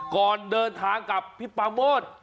ก่อนเดินทางกับพี่ปาโมท